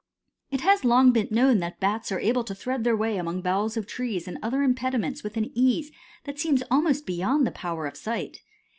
It has long been known that Bats are able to thread their way among boughs of trees and other impediments with an ease that seems almost beyond the power of sight.